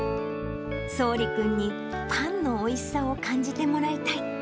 そうり君にパンのおいしさを感じてもらいたい。